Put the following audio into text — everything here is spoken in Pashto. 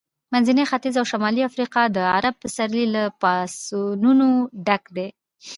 منځنی ختیځ او شمالي افریقا د عرب پسرلي له پاڅونونو ډک دي.